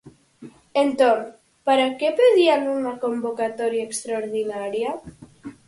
Entón, ¿para que pedían unha convocatoria extraordinaria?